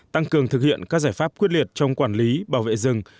tăng cường thực hiện các giải pháp quyết liệt trong quản lý bảo vệ rừng